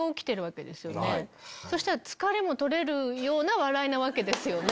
そしたら疲れもとれるような笑いなわけですよね。